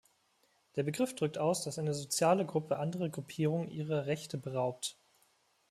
Der Begriff drückt aus, dass eine soziale Gruppe andere Gruppierungen ihrer Rechte beraubt.